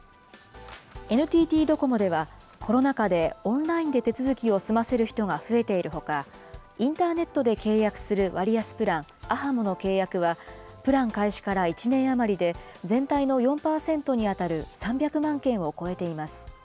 ＮＴＴドコモでは、コロナ禍でオンラインで手続きを済ませる人が増えているほか、インターネットで契約する割安プラン、ａｈａｍｏの契約は、プラン開始から１年余りで全体の４％に当たる３００万件を超えています。